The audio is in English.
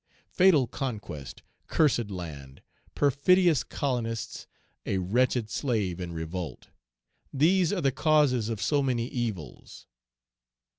Fatal conquest! cursed land! perfidious colonists! a wretched slave in revolt! These are the causes of so many evils."